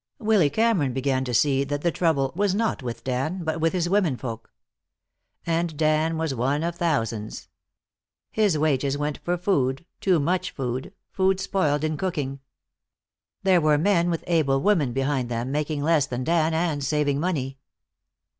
Willy Cameron began to see that the trouble was not with Dan, but with his women folks. And Dan was one of thousands. His wages went for food, too much food, food spoiled in cooking. There were men, with able women behind them, making less than Dan and saving money.